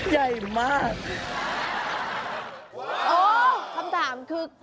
คำตามคือ